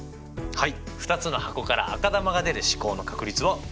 はい。